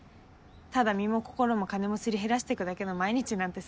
ただ身も心も金もすり減らしていくだけの毎日なんてさ。